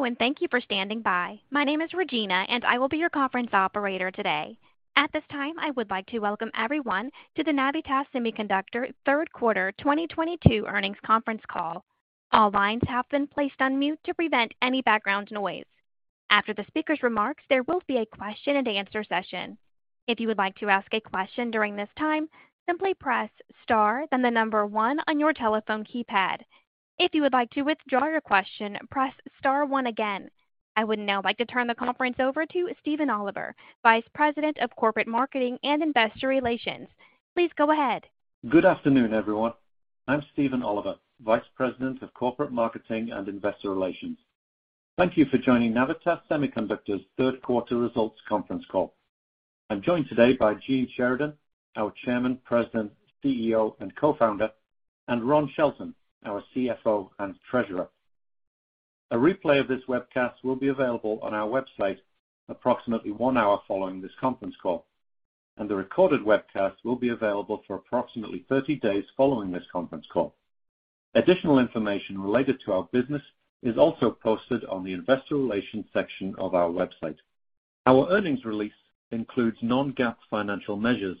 Hello, and thank you for standing by. My name is Regina, and I will be your conference operator today. At this time, I would like to welcome everyone to the Navitas Semiconductor Third Quarter 2022 Earnings Conference Call. All lines have been placed on mute to prevent any background noise. After the speaker's remarks, there will be a question-and-answer session. If you would like to ask a question during this time, simply press star, then the number one on your telephone keypad. If you would like to withdraw your question, press star one again. I would now like to turn the conference over to Stephen Oliver, Vice President of Corporate Marketing and Investor Relations. Please go ahead. Good afternoon, everyone. I'm Stephen Oliver, Vice President of Corporate Marketing and Investor Relations. Thank you for joining Navitas Semiconductor's Third Quarter Results Conference Call. I'm joined today by Gene Sheridan, our Chairman, President, CEO, and Co-founder, and Ron Shelton, our CFO and Treasurer. A replay of this webcast will be available on our website approximately one hour following this conference call, and the recorded webcast will be available for approximately 30 days following this conference call. Additional information related to our business is also posted on the investor relations section of our website. Our earnings release includes non-GAAP financial measures.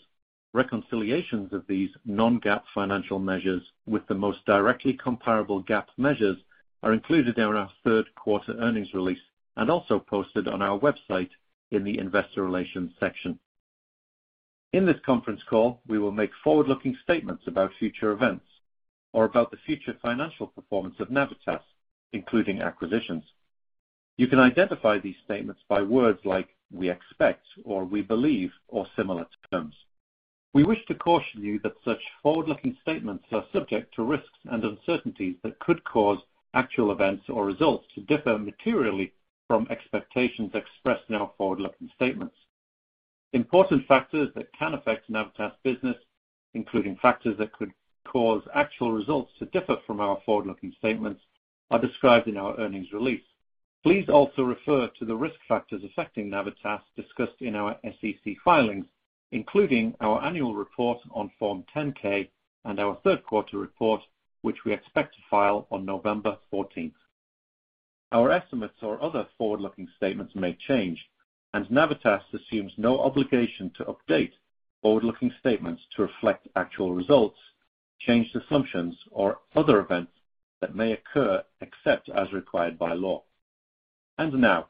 Reconciliations of these non-GAAP financial measures with the most directly comparable GAAP measures are included in our third quarter earnings release and also posted on our website in the investor relations section. In this conference call, we will make forward-looking statements about future events or about the future financial performance of Navitas, including acquisitions. You can identify these statements by words like "we expect" or "we believe" or similar terms. We wish to caution you that such forward-looking statements are subject to risks and uncertainties that could cause actual events or results to differ materially from expectations expressed in our forward-looking statements. Important factors that can affect Navitas business, including factors that could cause actual results to differ from our forward-looking statements, are described in our earnings release. Please also refer to the risk factors affecting Navitas discussed in our SEC filings, including our annual report on Form 10-K and our third quarter report, which we expect to file on November 14th. Our estimates or other forward-looking statements may change, and Navitas assumes no obligation to update forward-looking statements to reflect actual results, changed assumptions, or other events that may occur except as required by law. Now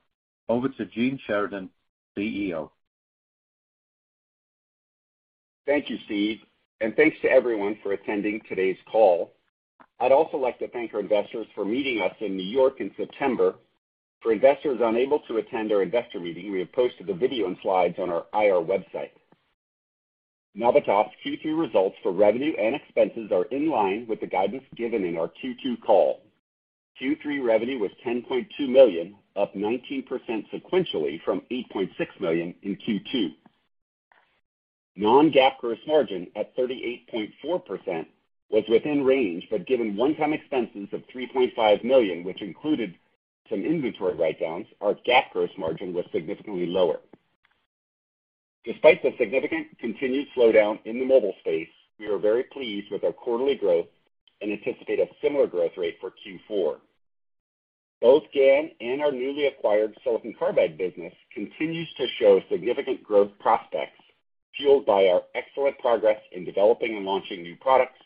over to Gene Sheridan, CEO. Thank you, Steve, and thanks to everyone for attending today's call. I'd also like to thank our investors for meeting us in New York in September. For investors unable to attend our investor meeting, we have posted the video and slides on our IR website. Navitas Q3 results for revenue and expenses are in line with the guidance given in our Q2 call. Q3 revenue was $10.2 million, up 19% sequentially from $8.6 million in Q2. Non-GAAP gross margin at 38.4% was within range, but given one-time expenses of $3.5 million, which included some inventory write-downs, our GAAP gross margin was significantly lower. Despite the significant continued slowdown in the mobile space, we are very pleased with our quarterly growth and anticipate a similar growth rate for Q4. Both GaN and our newly acquired silicon carbide business continues to show significant growth prospects, fueled by our excellent progress in developing and launching new products,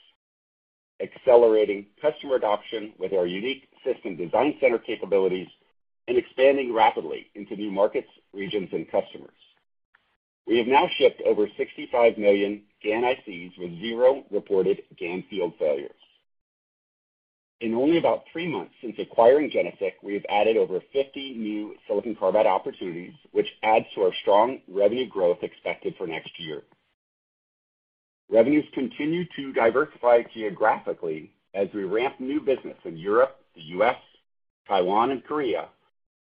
accelerating customer adoption with our unique system design center capabilities, and expanding rapidly into new markets, regions, and customers. We have now shipped over 65 million GaN ICs with zero reported GaN field failures. In only about three months since acquiring GeneSiC, we have added over 50 new silicon carbide opportunities, which adds to our strong revenue growth expected for next year. Revenues continue to diversify geographically as we ramp new business in Europe, the U.S., Taiwan, and Korea,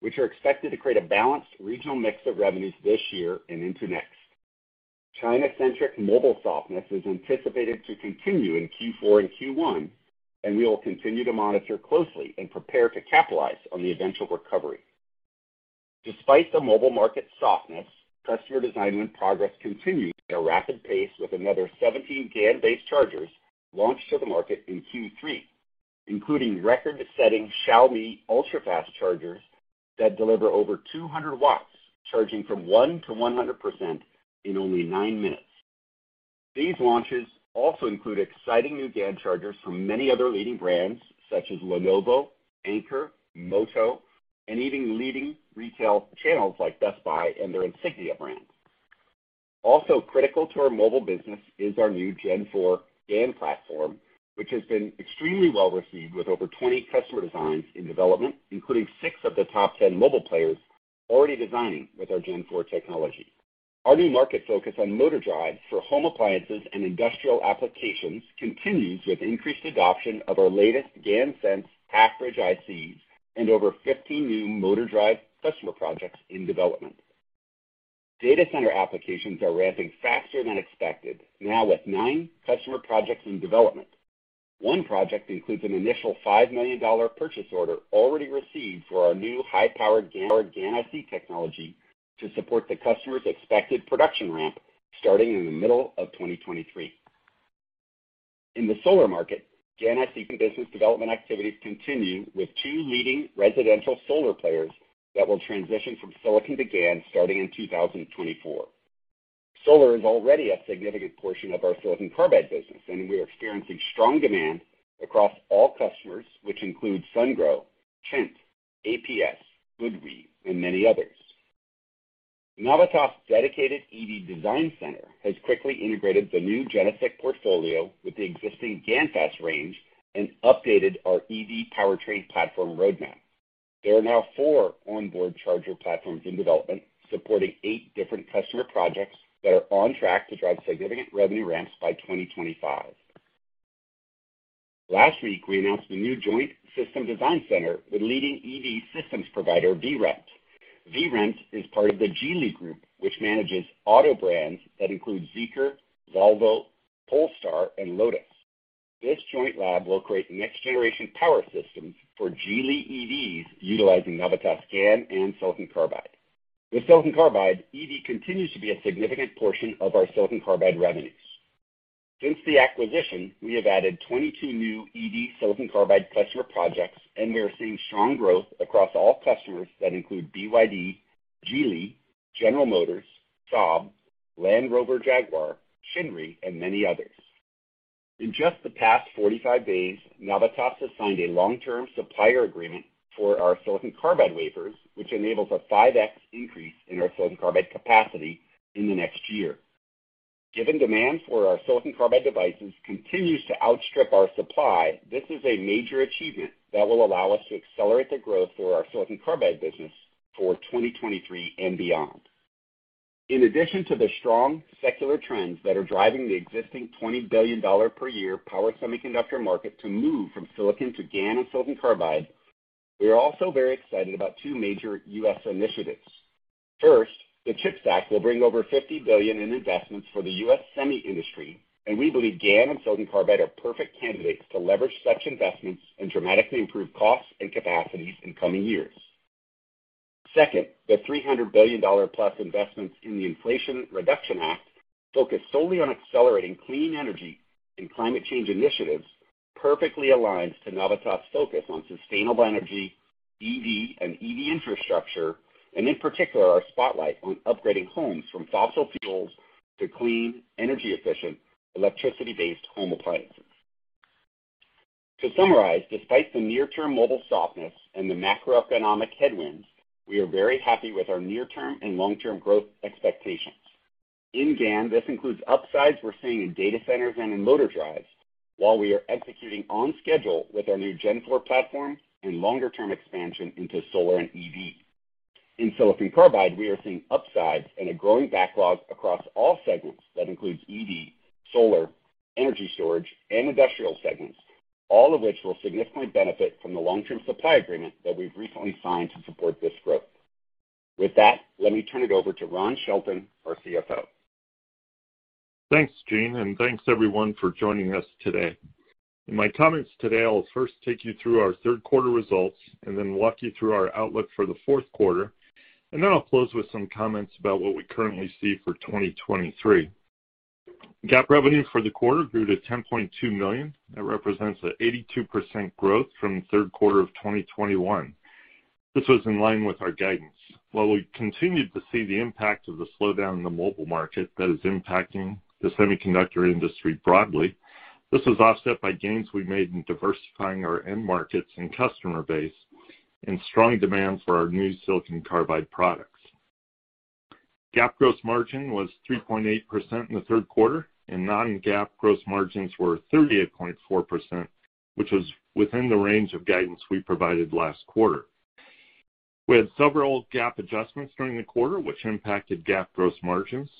which are expected to create a balanced regional mix of revenues this year and into next. China-centric mobile softness is anticipated to continue in Q4 and Q1, and we will continue to monitor closely and prepare to capitalize on the eventual recovery. Despite the mobile market softness, customer design win progress continues at a rapid pace, with another 17 GaN-based chargers launched to the market in Q3, including record-setting Xiaomi ultra-fast chargers that deliver over 200 W, charging from 1% to 100% in only nine minutes. These launches also include exciting new GaN chargers from many other leading brands, such as Lenovo, Anker, Motorola, and even leading retail channels like Best Buy and their Insignia brand. Also critical to our mobile business is our new Gen4 GaN platform, which has been extremely well received with over 20 customer designs in development, including six of the top 10 mobile players already designing with our Gen4 technology. Our new market focus on motor drives for home appliances and industrial applications continues with increased adoption of our latest GaNSense Half-Bridge ICs and over 15 new motor drive customer projects in development. Data center applications are ramping faster than expected, now with nine customer projects in development. One project includes an initial $5 million purchase order already received for our new high-powered GaN IC technology to support the customer's expected production ramp starting in the middle of 2023. In the solar market, GaN IC business development activities continue with two leading residential solar players that will transition from silicon to GaN starting in 2024. Solar is already a significant portion of our silicon carbide business, and we are experiencing strong demand across all customers, which includes Sungrow, Chint, APS, GoodWe, and many others. Navitas dedicated EV design center has quickly integrated the new GeneSiC portfolio with the existing GaNFast range and updated our EV powertrain platform roadmap. There are now four onboard charger platforms in development, supporting eight different customer projects that are on track to drive significant revenue ramps by 2025. Last week, we announced a new joint system design center with leading EV systems provider VREMT. VREMT is part of the Geely Group, which manages auto brands that include Zeekr, Volvo, Polestar, and Lotus. This joint lab will create next-generation power systems for Geely EVs utilizing Navitas GaN and silicon carbide. With silicon carbide, EV continues to be a significant portion of our silicon carbide revenues. Since the acquisition, we have added 22 new EV silicon carbide customer projects, and we are seeing strong growth across all customers that include BYD, Geely, General Motors, Saab, Land Rover, Jaguar, Chery, and many others. In just the past 45 days, Navitas has signed a long-term supplier agreement for our silicon carbide wafers, which enables a 5x increase in our silicon carbide capacity in the next year. Given demand for our silicon carbide devices continues to outstrip our supply, this is a major achievement that will allow us to accelerate the growth for our silicon carbide business for 2023 and beyond. In addition to the strong secular trends that are driving the existing $20 billion per year power semiconductor market to move from silicon to GaN and silicon carbide, we are also very excited about two major U.S. initiatives. First, the CHIPS Act will bring over $50 billion in investments for the U.S. semi industry, and we believe GaN and silicon carbide are perfect candidates to leverage such investments and dramatically improve costs and capacities in coming years. Second, the $300 billion-plus investments in the Inflation Reduction Act focus solely on accelerating clean energy and climate change initiatives, perfectly aligns to Navitas focus on sustainable energy, EV and EV infrastructure, and in particular, our spotlight on upgrading homes from fossil fuels to clean, energy-efficient, electricity-based home appliances. To summarize, despite the near term mobile softness and the macroeconomic headwinds, we are very happy with our near-term and long-term growth expectations. In GaN, this includes upsides we're seeing in data centers and in motor drives, while we are executing on schedule with our new Gen4 platform and longer-term expansion into solar and EV. In silicon carbide, we are seeing upsides and a growing backlog across all segments. That includes EV, solar, energy storage, and industrial segments, all of which will significantly benefit from the long-term supply agreement that we've recently signed to support this growth. With that, let me turn it over to Ron Shelton, our CFO. Thanks, Gene, and thanks everyone for joining us today. In my comments today, I will first take you through our third quarter results and then walk you through our outlook for the fourth quarter, and then I'll close with some comments about what we currently see for 2023. GAAP revenue for the quarter grew to $10.2 million. That represents an 82% growth from the third quarter of 2021. This was in line with our guidance. While we continued to see the impact of the slowdown in the mobile market that is impacting the semiconductor industry broadly, this is offset by gains we made in diversifying our end markets and customer base and strong demand for our new silicon carbide products. GAAP gross margin was 3.8% in the third quarter, and non-GAAP gross margins were 38.4%, which was within the range of guidance we provided last quarter. We had several GAAP adjustments during the quarter which impacted GAAP gross margins.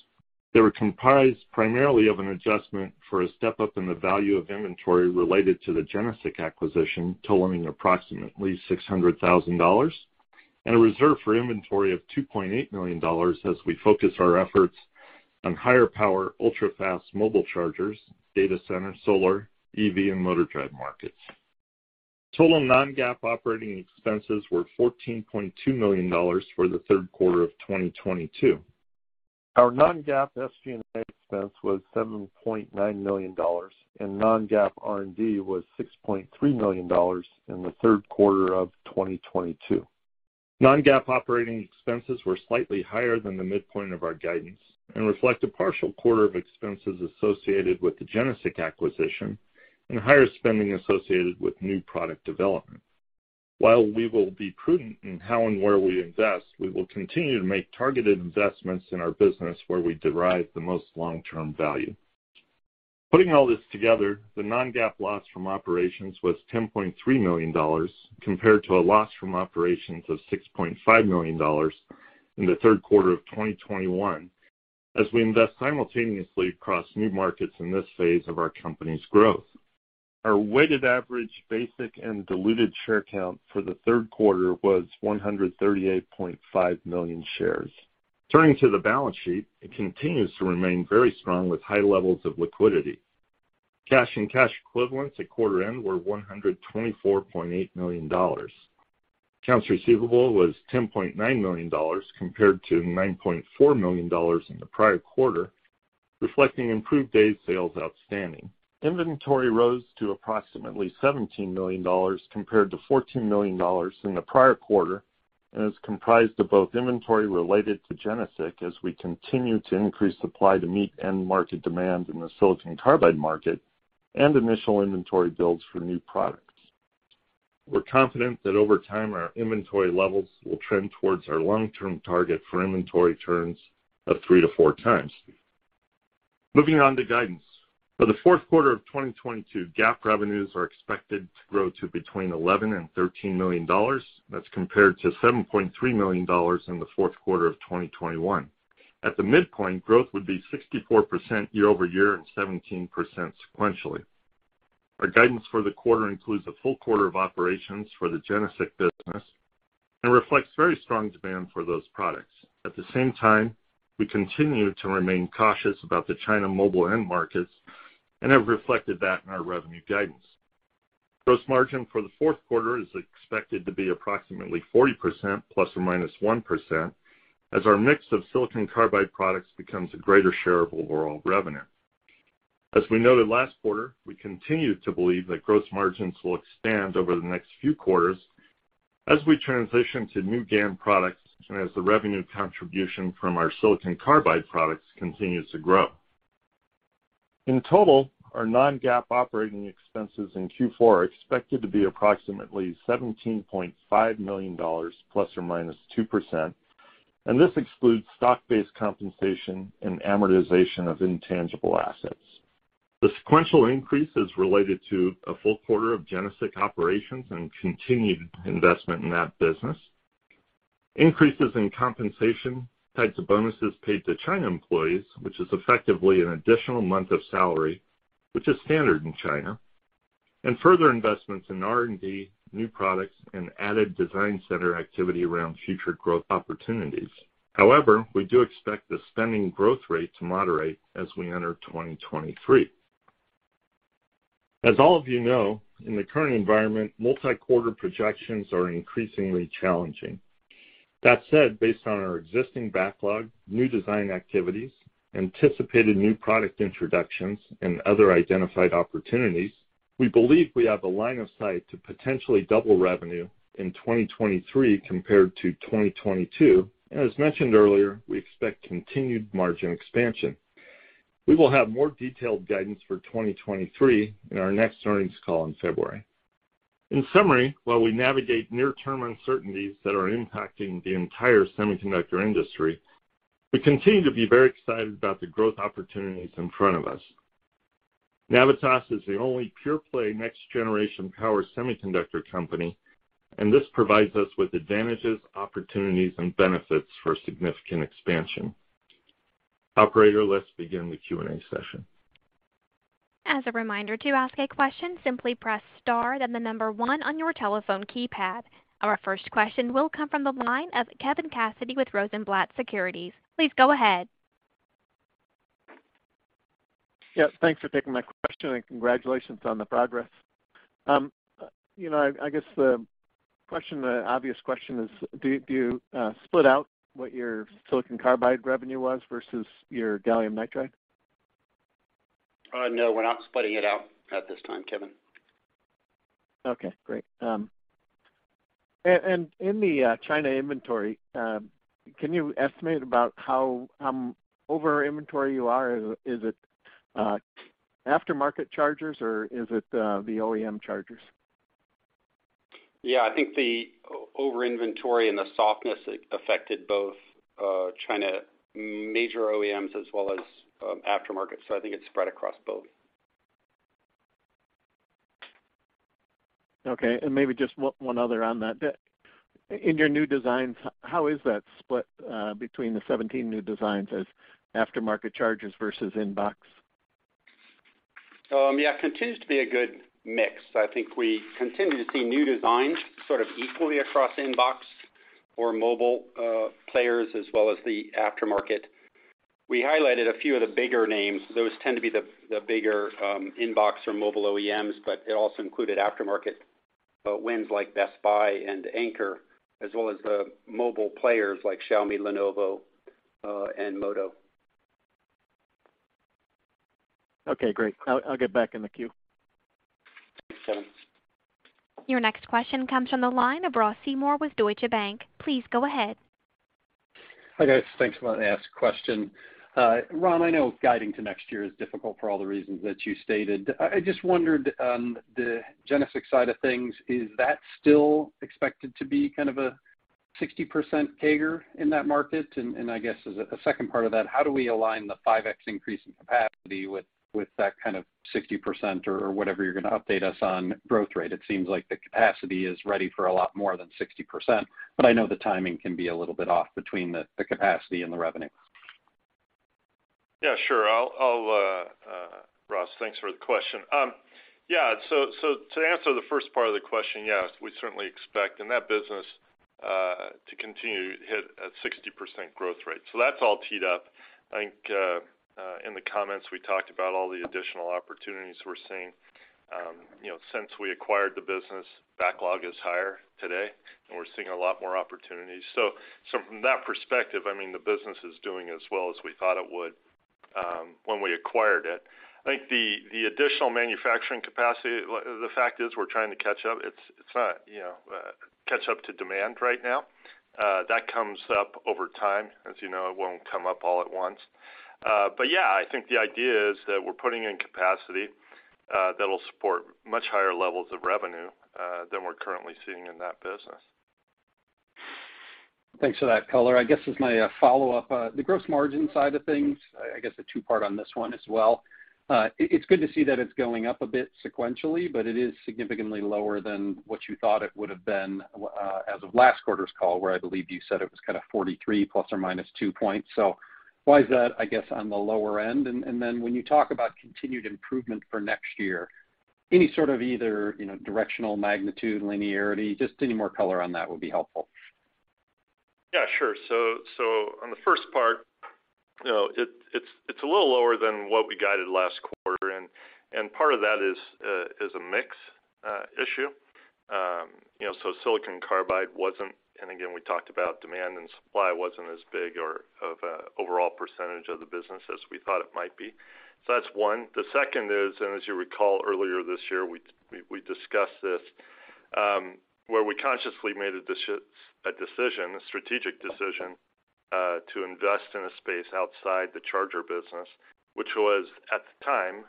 They were comprised primarily of an adjustment for a step-up in the value of inventory related to the GeneSiC acquisition, totaling approximately $600 thousand, and a reserve for inventory of $2.8 million as we focus our efforts on higher power, ultra-fast mobile chargers, data center, solar, EV, and motor drive markets. Total non-GAAP operating expenses were $14.2 million for the third quarter of 2022. Our non-GAAP SG&A expense was $7.9 million, and non-GAAP R&D was $6.3 million in the third quarter of 2022. Non-GAAP operating expenses were slightly higher than the midpoint of our guidance and reflect a partial quarter of expenses associated with the GeneSiC acquisition and higher spending associated with new product development. While we will be prudent in how and where we invest, we will continue to make targeted investments in our business where we derive the most long-term value. Putting all this together, the non-GAAP loss from operations was $10.3 million, compared to a loss from operations of $6.5 million in the third quarter of 2021, as we invest simultaneously across new markets in this phase of our company's growth. Our weighted average basic and diluted share count for the third quarter was 138.5 million shares. Turning to the balance sheet, it continues to remain very strong with high levels of liquidity. Cash and cash equivalents at quarter end were $124.8 million. Accounts receivable was $10.9 million compared to $9.4 million in the prior quarter, reflecting improved days sales outstanding. Inventory rose to approximately $17 million compared to $14 million in the prior quarter, and is comprised of both inventory related to GeneSiC as we continue to increase supply to meet end market demand in the silicon carbide market and initial inventory builds for new products. We're confident that over time, our inventory levels will trend towards our long-term target for inventory turns of 3x-4x. Moving on to guidance. For the fourth quarter of 2022, GAAP revenues are expected to grow to between $11 million and $13 million. That's compared to $7.3 million in the fourth quarter of 2021. At the midpoint, growth would be 64% year-over-year and 17% sequentially. Our guidance for the quarter includes a full quarter of operations for the GeneSiC business and reflects very strong demand for those products. At the same time, we continue to remain cautious about the China mobile end markets and have reflected that in our revenue guidance. Gross margin for the fourth quarter is expected to be approximately 40% ±1% as our mix of silicon carbide products becomes a greater share of overall revenue. As we noted last quarter, we continue to believe that gross margins will expand over the next few quarters as we transition to new GaN products and as the revenue contribution from our silicon carbide products continues to grow. In total, our non-GAAP operating expenses in Q4 are expected to be approximately $17.5 million ±2%, and this excludes stock-based compensation and amortization of intangible assets. The sequential increase is related to a full quarter of GeneSiC operations and continued investment in that business. Increases in compensation, types of bonuses paid to China employees, which is effectively an additional month of salary, which is standard in China, and further investments in R&D, new products, and added design center activity around future growth opportunities. However, we do expect the spending growth rate to moderate as we enter 2023. As all of you know, in the current environment, multi-quarter projections are increasingly challenging. That said, based on our existing backlog, new design activities, anticipated new product introductions, and other identified opportunities, we believe we have a line of sight to potentially double revenue in 2023 compared to 2022. As mentioned earlier, we expect continued margin expansion. We will have more detailed guidance for 2023 in our next earnings call in February. In summary, while we navigate near-term uncertainties that are impacting the entire semiconductor industry, we continue to be very excited about the growth opportunities in front of us. Navitas is the only pure-play next-generation power semiconductor company, and this provides us with advantages, opportunities, and benefits for significant expansion. Operator, let's begin the Q&A session. As a reminder, to ask a question, simply press star then the number one on your telephone keypad. Our first question will come from the line of Kevin Cassidy with Rosenblatt Securities. Please go ahead. Yeah, thanks for taking my question, and congratulations on the progress. You know, I guess the question, the obvious question is do you split out what your silicon carbide revenue was versus your gallium nitride? No, we're not splitting it out at this time, Kevin. Okay, great. In the China inventory, can you estimate about how over-inventory you are? Is it the after-market chargers or is it the OEM chargers? Yeah. I think the over-inventory and the softness affected both, Chinese major OEMs as well as aftermarket, so I think it's spread across both. Okay, maybe just one other on that. In your new designs, how is that split between the 17 new designs as after-market chargers versus inbox? Yeah, continues to be a good mix. I think we continue to see new designs sort of equally across inbox or mobile players as well as the after-market. We highlighted a few of the bigger names. Those tend to be the bigger inbox or mobile OEMs, but it also included after-market wins like Best Buy and Anker, as well as the mobile players like Xiaomi, Lenovo, and Motorola. Okay, great. I'll get back in the queue. Thanks, Kevin. Your next question comes from the line of Ross Seymore with Deutsche Bank. Please go ahead. Hi, guys. Thanks. Wanted to ask a question. Ron, I know guiding to next year is difficult for all the reasons that you stated. I just wondered on the GeneSiC side of things, is that still expected to be kind of a 60% CAGR in that market? And I guess as a second part of that, how do we align the 5x increase in capacity with that kind of 60% or whatever you're gonna update us on growth rate? It seems like the capacity is ready for a lot more than 60%, but I know the timing can be a little bit off between the capacity and the revenue. Yeah, sure. Ross, thanks for the question. Yeah. To answer the first part of the question, yes, we certainly expect in that business to continue to hit a 60% growth rate. That's all teed up. I think in the comments, we talked about all the additional opportunities we're seeing. You know, since we acquired the business, backlog is higher today, and we're seeing a lot more opportunities. From that perspective, I mean, the business is doing as well as we thought it would when we acquired it. I think the additional manufacturing capacity, the fact is we're trying to catch up. It's not, you know, catch up to demand right now. That comes up over time. As you know, it won't come up all at once. Yeah, I think the idea is that we're putting in capacity that'll support much higher levels of revenue than we're currently seeing in that business. Thanks for that color. I guess as my follow-up, the gross margin side of things, I guess a two-part on this one as well. It's good to see that it's going up a bit sequentially, but it is significantly lower than what you thought it would have been as of last quarter's call, where I believe you said it was kind of 43 ± 2 points. Why is that, I guess, on the lower end? When you talk about continued improvement for next year, any sort of either, you know, directional magnitude, linearity, just any more color on that would be helpful. Yeah, sure. On the first part, you know, it's a little lower than what we guided last quarter, and part of that is a mix issue. You know, silicon carbide wasn't, and again, we talked about demand and supply wasn't as big or of overall percentage of the business as we thought it might be. That's one. The second is, as you recall earlier this year, we discussed this, where we consciously made a decision, a strategic decision, to invest in a space outside the charger business, which was at the time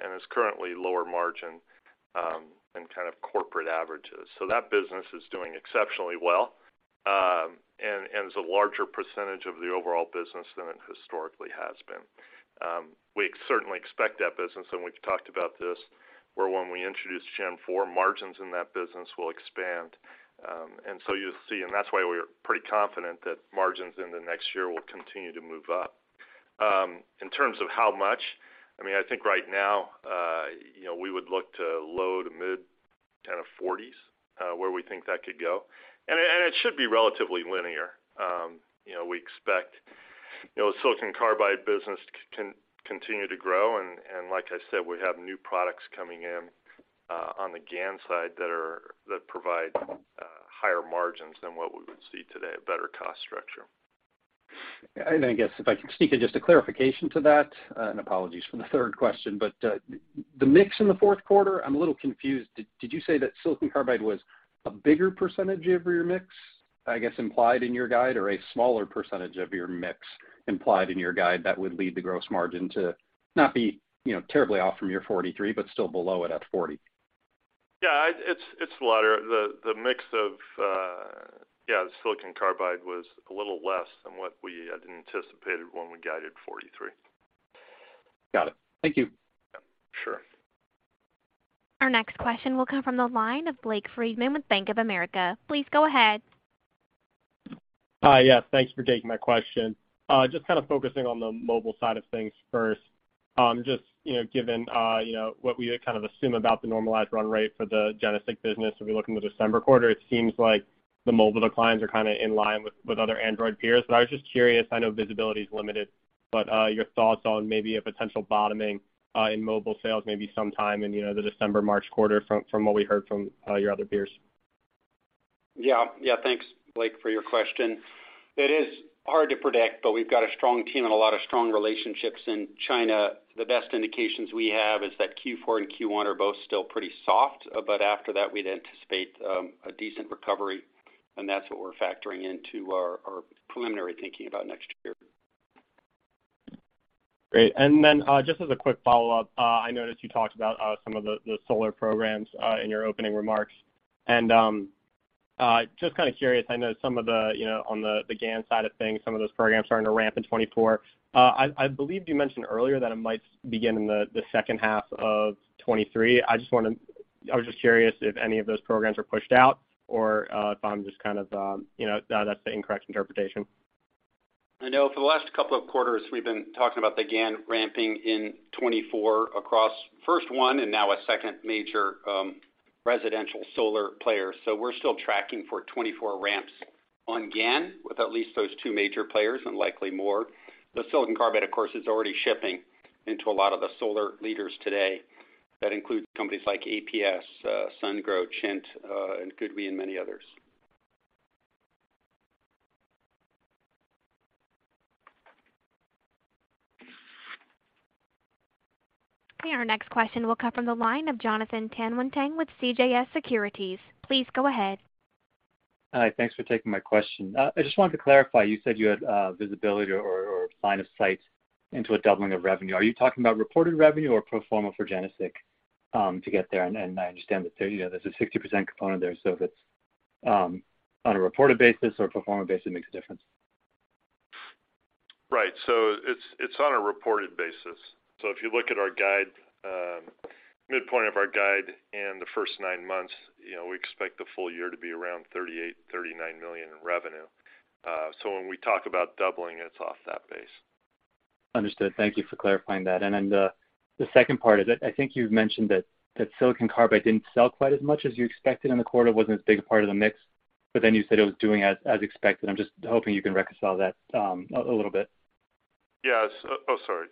and is currently lower margin than kind of corporate averages. That business is doing exceptionally well, and is a larger percentage of the overall business than it historically has been. We certainly expect that business, and we've talked about this, where when we introduce Gen4, margins in that business will expand. You'll see, and that's why we're pretty confident that margins in the next year will continue to move up. In terms of how much, I mean, I think right now, you know, we would look to low to mid-teens to 40s%, where we think that could go. It should be relatively linear. You know, we expect, you know, silicon carbide business to continue to grow, and like I said, we have new products coming in, on the GaN side that provide higher margins than what we would see today, a better cost structure. I guess, if I can sneak in just a clarification to that, and apologies for the third question. The mix in the fourth quarter, I'm a little confused. Did you say that silicon carbide was a bigger percentage of your mix, I guess, implied in your guide or a smaller percentage of your mix implied in your guide that would lead the gross margin to not be, you know, terribly off from your 43%, but still below it at 40%? Yeah, it's the latter. The mix of, yeah, the silicon carbide was a little less than what we had anticipated when we guided 43%. Got it. Thank you. Yeah, sure. Our next question will come from the line of Blake Friedman with Bank of America. Please go ahead. Hi. Yeah, thanks for taking my question. Just kind of focusing on the mobile side of things first. Just, you know, given what we kind of assume about the normalized run rate for the GeneSiC business, if we look in the December quarter, it seems like the mobile declines are kind of in line with other Android peers. I was just curious, I know visibility is limited, but your thoughts on maybe a potential bottoming in mobile sales maybe sometime in, you know, the December, March quarter from what we heard from your other peers. Yeah. Yeah. Thanks, Blake, for your question. It is hard to predict, but we've got a strong team and a lot of strong relationships in China. The best indications we have is that Q4 and Q1 are both still pretty soft, but after that, we'd anticipate a decent recovery, and that's what we're factoring into our preliminary thinking about next year. Great. Just as a quick follow-up, I noticed you talked about some of the solar programs in your opening remarks. Just kind of curious, I know some of the, you know, on the GaN side of things, some of those programs starting to ramp in 2024. I believe you mentioned earlier that it might begin in the second half of 2023. I was just curious if any of those programs were pushed out or if I'm just kind of, you know, that's the incorrect interpretation. I know for the last couple of quarters, we've been talking about the GaN ramping in 2024 across first one and now a second major residential solar player. We're still tracking for 2024 ramps on GaN with at least those two major players and likely more. The silicon carbide, of course, is already shipping into a lot of the solar leaders today. That includes companies like APsystems, Sungrow, Chint, and GoodWe and many others. Our next question will come from the line of Jon Tanwanteng with CJS Securities. Please go ahead. Hi. Thanks for taking my question. I just wanted to clarify, you said you had visibility or line of sight into a doubling of revenue. Are you talking about reported revenue or pro forma for GeneSiC to get there? I understand that there, you know, there's a 60% component there, so if it's on a reported basis or pro forma basis makes a difference. Right. It's on a reported basis. If you look at our guide, midpoint of our guide and the first nine months, you know, we expect the full year to be around $38 million-$39 million in revenue. When we talk about doubling, it's off that base. Understood. Thank you for clarifying that. The second part is, I think you've mentioned that silicon carbide didn't sell quite as much as you expected in the quarter, wasn't as big a part of the mix, but then you said it was doing as expected. I'm just hoping you can reconcile that, a little bit. Yes. Oh, sorry.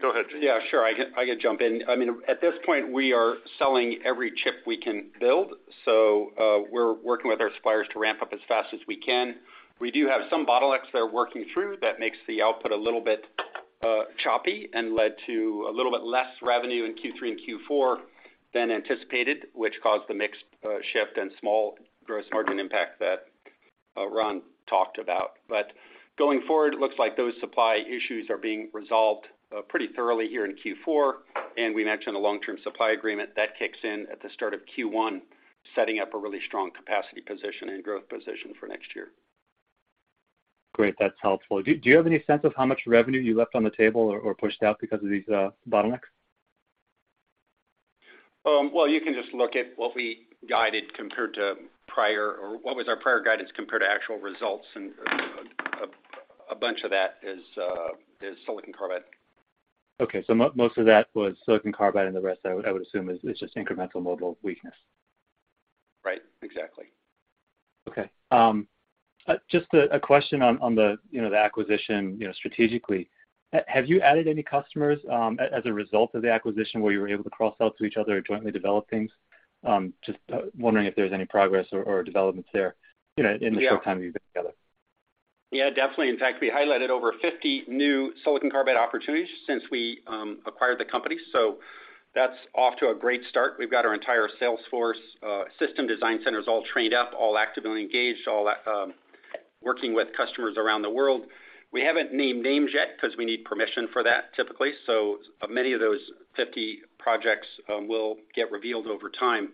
Go ahead, Jamie. Yeah, sure. I can jump in. I mean, at this point, we are selling every chip we can build. We're working with our suppliers to ramp up as fast as we can. We do have some bottlenecks that we're working through that makes the output a little bit choppy and led to a little bit less revenue in Q3 and Q4 than anticipated, which caused the mix shift and small gross margin impact that Ron talked about. Going forward, it looks like those supply issues are being resolved pretty thoroughly here in Q4. We mentioned a long-term supply agreement that kicks in at the start of Q1, setting up a really strong capacity position and growth position for next year. Great. That's helpful. Do you have any sense of how much revenue you left on the table or pushed out because of these bottlenecks? You can just look at what we guided compared to prior or what was our prior guidance compared to actual results. A bunch of that is silicon carbide. Most of that was silicon carbide, and the rest, I would assume, is just incremental mobile weakness. Right. Exactly. Okay. Just a question on the acquisition, you know, strategically. Have you added any customers as a result of the acquisition where you were able to cross-sell to each other or jointly develop things? Just wondering if there's any progress or developments there, you know, in the short time you've been together. Yeah, definitely. In fact, we highlighted over 50 new silicon carbide opportunities since we acquired the company. That's off to a great start. We've got our entire sales force, system design centers all trained up, all actively engaged, all working with customers around the world. We haven't named names yet because we need permission for that, typically. Many of those 50 projects will get revealed over time,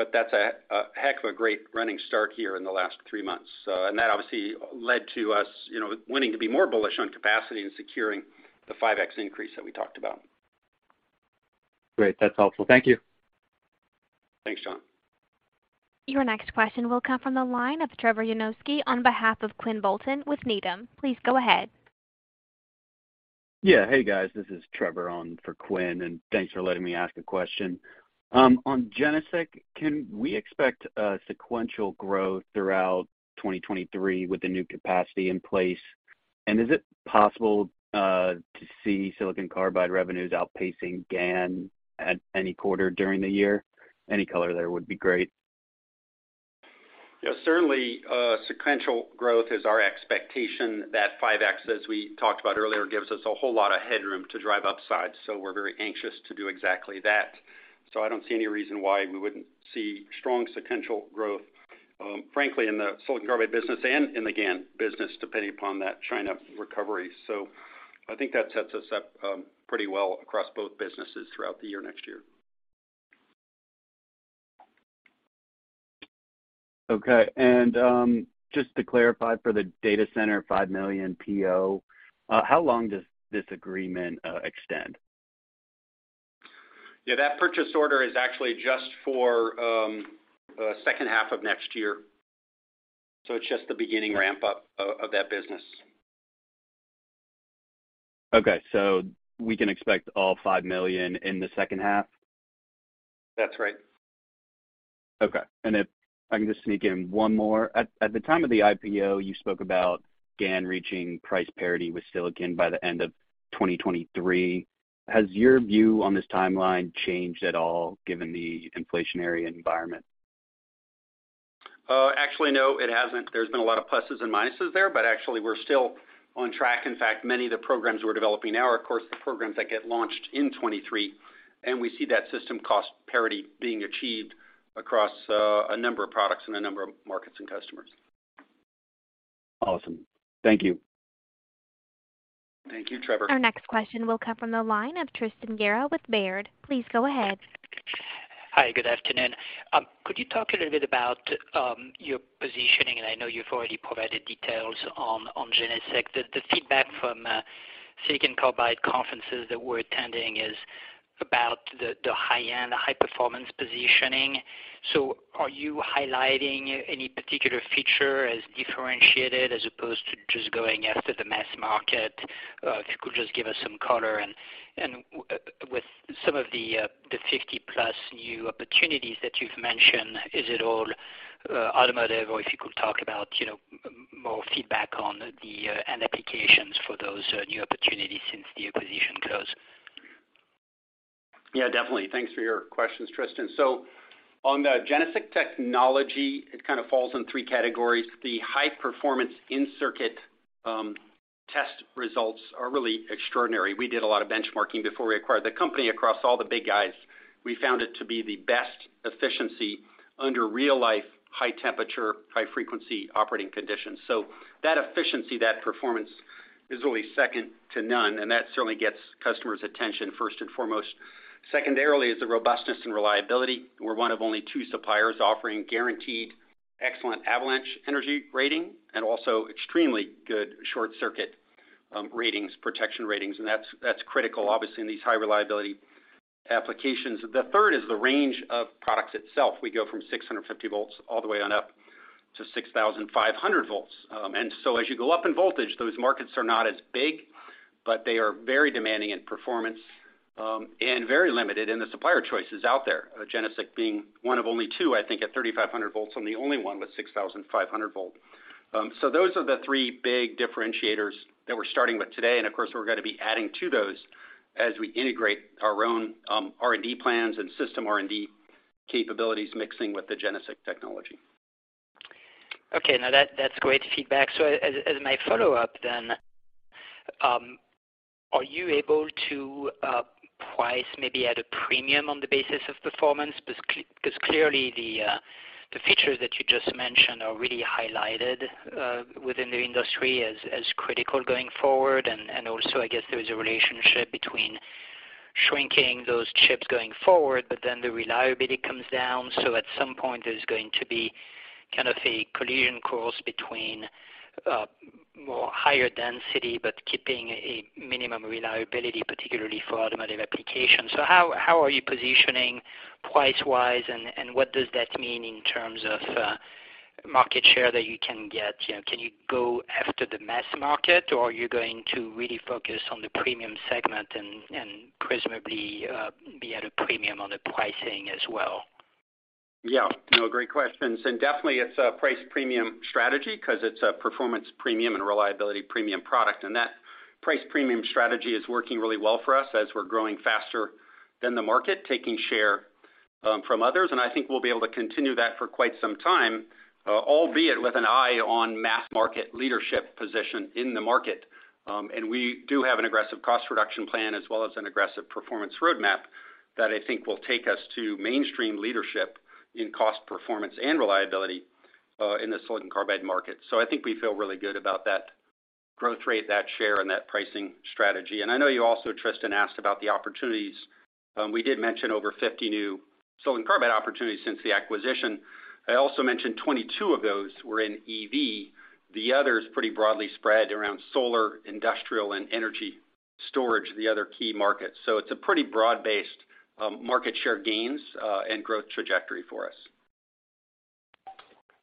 but that's a heck of a great running start here in the last three months. That obviously led to us, you know, wanting to be more bullish on capacity and securing the 5x increase that we talked about. Great. That's helpful. Thank you. Thanks, John. Your next question will come from the line of Trevor Janoskie on behalf of Quinn Bolton with Needham & Company. Please go ahead. Yeah. Hey, guys, this is Trevor on for Quinn, and thanks for letting me ask a question. On GeneSiC, can we expect a sequential growth throughout 2023 with the new capacity in place? Is it possible to see silicon carbide revenues outpacing GaN at any quarter during the year? Any color there would be great. Yeah, certainly, sequential growth is our expectation. That 5x, as we talked about earlier, gives us a whole lot of headroom to drive upside, so we're very anxious to do exactly that. I don't see any reason why we wouldn't see strong sequential growth, frankly, in the silicon carbide business and in the GaN business, depending upon that China recovery. I think that sets us up, pretty well across both businesses throughout the year next year. Okay. Just to clarify for the data center, 5 million PO, how long does this agreement extend? Yeah, that purchase order is actually just for second half of next year. It's just the beginning ramp-up of that business. Okay. We can expect all $5 million in the second half? That's right. Okay. If I can just sneak in one more. At the time of the IPO, you spoke about GaN reaching price parity with silicon by the end of 2023. Has your view on this timeline changed at all given the inflationary environment? Actually, no, it hasn't. There's been a lot of pluses and minuses there, but actually we're still on track. In fact, many of the programs we're developing now are of course, the programs that get launched in 2023, and we see that system cost parity being achieved across, a number of products in a number of markets and customers. Awesome. Thank you. Thank you, Trevor. Our next question will come from the line of Tristan Gerra with Baird. Please go ahead. Hi, good afternoon. Could you talk a little bit about your positioning? I know you've already provided details on GeneSiC. The feedback from silicon carbide conferences that we're attending is about the high-end, high-performance positioning. Are you highlighting any particular feature as differentiated as opposed to just going after the mass market? If you could just give us some color. With some of the 50+ new opportunities that you've mentioned, is it all automotive, or if you could talk about you know more feedback on the end applications for those new opportunities since the acquisition close. Yeah, definitely. Thanks for your questions, Tristan. On the GeneSiC technology, it kind of falls in three categories. The high-performance in-circuit test results are really extraordinary. We did a lot of benchmarking before we acquired the company across all the big guys. We found it to be the best efficiency under real-life, high-temperature, high-frequency operating conditions. That efficiency, that performance is really second to none, and that certainly gets customers' attention first and foremost. Secondarily is the robustness and reliability. We're one of only two suppliers offering guaranteed excellent avalanche energy rating and also extremely good short circuit ratings, protection ratings. That's critical, obviously, in these high-reliability applications. The third is the range of products itself. We go from 650 volts all the way on up to 6,500 volts. As you go up in voltage, those markets are not as big, but they are very demanding in performance, and very limited in the supplier choices out there. GeneSiC being one of only two, I think at 3,500 volts, and the only one with 6,500 volts. Those are the three big differentiators that we're starting with today. Of course, we're gonna be adding to those as we integrate our own R&D plans and system R&D capabilities, mixing with the GeneSiC technology. That's great feedback. As my follow-up then, are you able to price maybe at a premium on the basis of performance? Because clearly the features that you just mentioned are really highlighted within the industry as critical going forward. Also, I guess there is a relationship between shrinking those chips going forward, but then the reliability comes down. At some point, there's going to be kind of a collision course between more higher density, but keeping a minimum reliability, particularly for automotive applications. How are you positioning price-wise, and what does that mean in terms of market share that you can get? You know, can you go after the mass market or are you going to really focus on the premium segment and presumably, be at a premium on the pricing as well? Yeah. No, great questions. Definitely it's a price premium strategy 'cause it's a performance premium and reliability premium product. That price premium strategy is working really well for us as we're growing faster than the market, taking share from others. I think we'll be able to continue that for quite some time, albeit with an eye on mass market leadership position in the market. We do have an aggressive cost reduction plan as well as an aggressive performance roadmap that I think will take us to mainstream leadership in cost performance and reliability in the silicon carbide market. I think we feel really good about that growth rate, that share, and that pricing strategy. I know you also, Tristan, asked about the opportunities. We did mention over 50 new silicon carbide opportunities since the acquisition. I also mentioned 22 of those were in EV, the others pretty broadly spread around solar, industrial, and energy storage, the other key markets. It's a pretty broad-based, market share gains, and growth trajectory for us.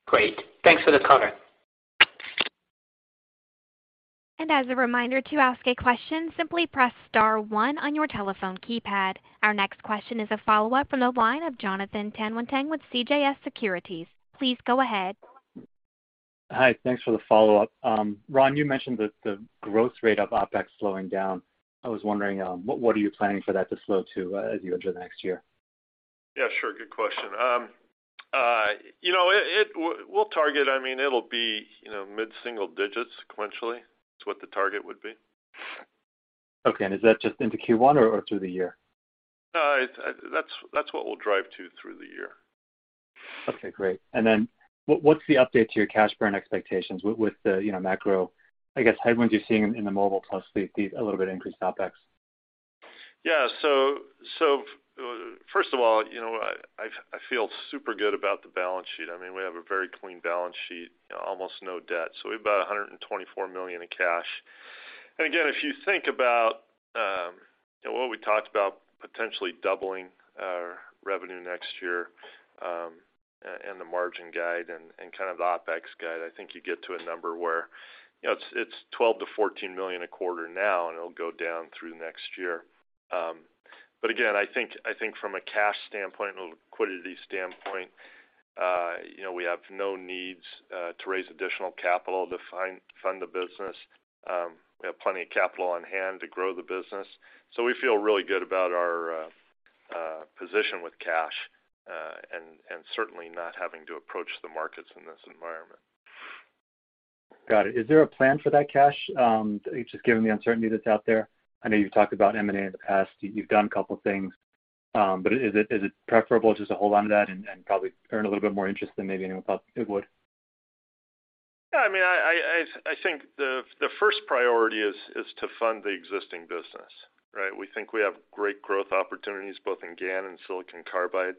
Great. Thanks for the color. As a reminder, to ask a question, simply press star one on your telephone keypad. Our next question is a follow-up from the line of Jon Tanwanteng with CJS Securities. Please go ahead. Hi. Thanks for the follow-up. Ron, you mentioned the growth rate of OpEx slowing down. I was wondering, what are you planning for that to slow to, as you enter the next year? Yeah, sure. Good question. You know, I mean, it'll be, you know, mid-single digits sequentially. That's what the target would be. Okay. Is that just into Q1 or through the year? No. That's what we'll drive to through the year. Okay, great. Then what's the update to your cash burn expectations with the, you know, macro, I guess, headwinds you're seeing in the mobile plus the a little bit increased OpEx? Yeah. First of all, you know, I feel super good about the balance sheet. I mean, we have a very clean balance sheet, almost no debt. We have about $124 million in cash. Again, if you think about what we talked about potentially doubling our revenue next year, and the margin guide and kind of the OpEx guide, I think you get to a number where, you know, it's $12 million-$14 million a quarter now, and it'll go down through next year. Again, I think from a cash standpoint and a liquidity standpoint, you know, we have no needs to raise additional capital to fund the business. We have plenty of capital on hand to grow the business. We feel really good about our position with cash, and certainly not having to approach the markets in this environment. Got it. Is there a plan for that cash, just given the uncertainty that's out there? I know you've talked about M&A in the past. You've done a couple things, but is it preferable just to hold onto that and probably earn a little bit more interest than maybe anyone thought it would? Yeah, I mean, I think the first priority is to fund the existing business, right? We think we have great growth opportunities both in GaN and silicon carbide,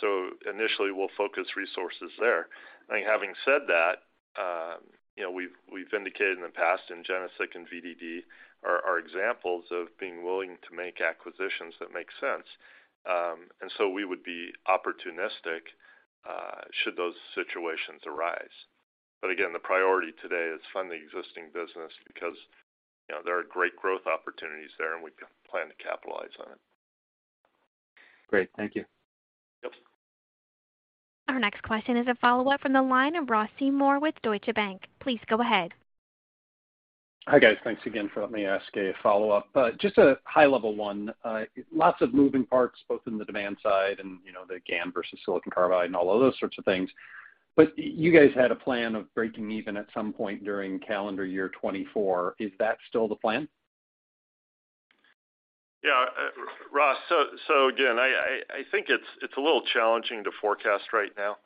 so initially we'll focus resources there. I think having said that, you know, we've indicated in the past, and GeneSiC and VDD are examples of being willing to make acquisitions that make sense. We would be opportunistic should those situations arise. Again, the priority today is fund the existing business because, you know, there are great growth opportunities there, and we plan to capitalize on it. Great. Thank you. Yep. Our next question is a follow-up from the line of Ross Seymore with Deutsche Bank. Please go ahead. Hi, guys. Thanks again for letting me ask a follow-up. Just a high level one. Lots of moving parts, both in the demand side and, you know, the GaN versus silicon carbide and all of those sorts of things. You guys had a plan of breaking even at some point during calendar year 2024. Is that still the plan? Yeah. Ross, so again, I think it's a little challenging to forecast right now.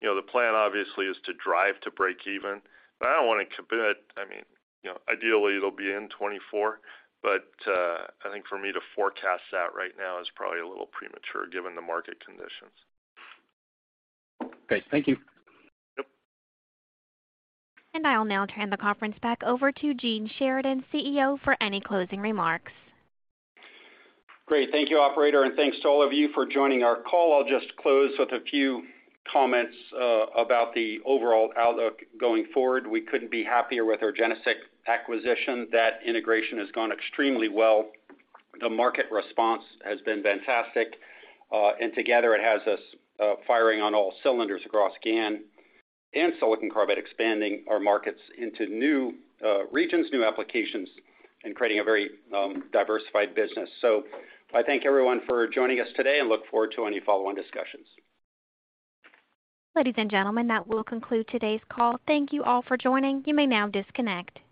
You know, the plan obviously is to drive to break even, but I don't wanna commit. I mean, you know, ideally it'll be in 2024, but I think for me to forecast that right now is probably a little premature given the market conditions. Great. Thank you. Yep. I'll now turn the conference back over to Gene Sheridan, CEO, for any closing remarks. Great. Thank you, operator, and thanks to all of you for joining our call. I'll just close with a few comments about the overall outlook going forward. We couldn't be happier with our GeneSiC acquisition. That integration has gone extremely well. The market response has been fantastic. And together, it has us firing on all cylinders across GaN and silicon carbide, expanding our markets into new regions, new applications, and creating a very diversified business. I thank everyone for joining us today and look forward to any follow-on discussions. Ladies and gentlemen, that will conclude today's call. Thank you all for joining. You may now disconnect.